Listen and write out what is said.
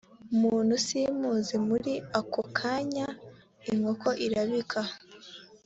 muntu simuzi muri ako kanya inkoko irabika